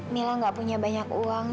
mila gak punya banyak uang